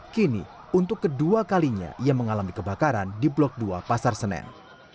kini untuk kedua kalinya ia mengalami kebakaran di blok dua pasar senen